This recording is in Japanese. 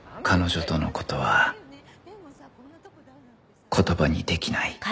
彼女との事は言葉にできない